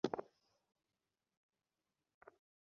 উল্টাপাল্টা বলো না তো।